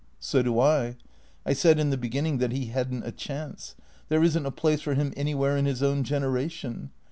" So do I. I said in the beginning that he had n't a chance. There is n't a place for him anywhere in his own generation.